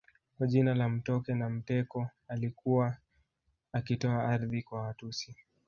Kwa jina la Mtoke Na mteko alikuwa akitoa ardhi kwa Watusi